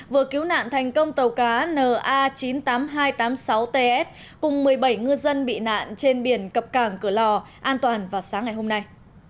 vừa cứu nạn thành công tàu cá na chín mươi tám nghìn hai trăm tám mươi sáu ts cùng một mươi bảy ngư dân bị nạn trên biển cập cảng cửa lò an toàn vào sáng ngày hôm nay